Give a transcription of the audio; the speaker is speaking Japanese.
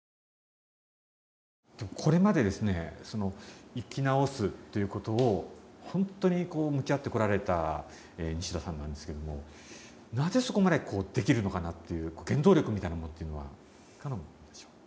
これまでですね生き直すということを本当に向き合ってこられた西田さんなんですけどもなぜそこまでこうできるのかなっていう原動力みたいなものというのはいかがなもんでしょう？